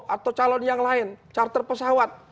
atau calon yang lain charter pesawat